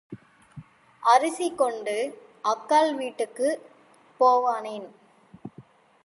அரிசி கொண்டு அக்காள் வீட்டுக்குப் போவானேன்?